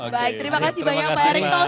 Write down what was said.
baik terima kasih banyak pak erick thobi